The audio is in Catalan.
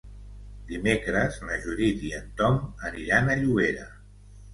Dimecres na Judit i en Tom aniran a Llobera.